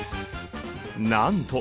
なんと！